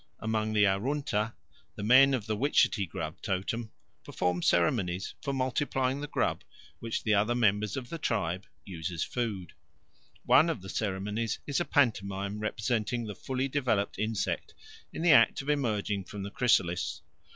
Among the Arunta the men of the witchetty grub totem perform ceremonies for multiplying the grub which the other members of the tribe use as food. One of the ceremonies is a pantomime representing the fully developed insect in the act of emerging from the chrysalis.